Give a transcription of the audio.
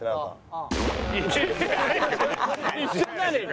一緒じゃねえか。